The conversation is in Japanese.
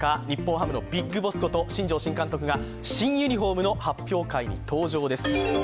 日本ハムのビッグボスこと新庄新監督が新ユニフォームの発表会に東條です。